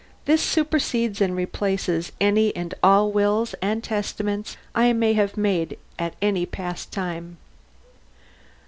This supersedes and replaces any and all wills and testaments I may have made at any past time.